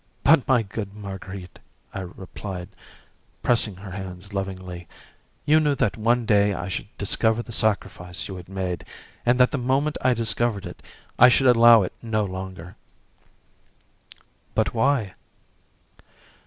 "But, my good Marguerite," I replied, pressing her hands lovingly, "you knew that one day I should discover the sacrifice you had made, and that the moment I discovered it I should allow it no longer." "But why?"